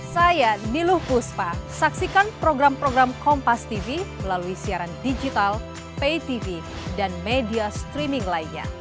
saya niluh puspa saksikan program program kompas tv melalui siaran digital pay tv dan media streaming lainnya